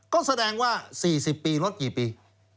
ก็แสดงว่า๔๐ปีลดกี่ปี